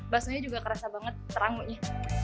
bakso juga kerasa banget rangunya